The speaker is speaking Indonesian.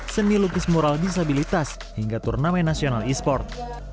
seni lukis mural disabilitas hingga turnamen nasional e sport